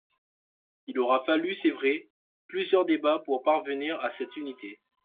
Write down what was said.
Il aura fallu, c’est vrai, plusieurs débats pour parvenir à cette unité.